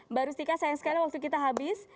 mbak rustika sayang sekali waktu kita habis